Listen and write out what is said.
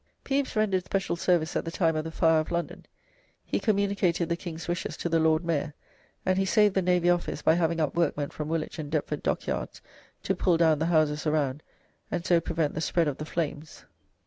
Pepys rendered special service at the time of the Fire of London. He communicated the king's wishes to the Lord Mayor, and he saved the Navy Office by having up workmen from Woolwich and Deptford Dockyards to pull down the houses around, and so prevent the spread of the flames.